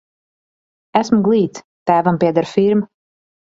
Esmu glīts, tēvam pieder firma.